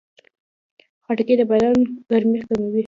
خټکی د بدن ګرمي کموي.